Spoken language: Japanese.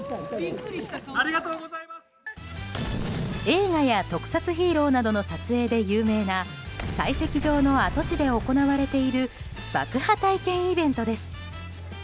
映画や特撮ヒーローなどの撮影で有名な採石場の跡地で行われている爆破体験イベントです。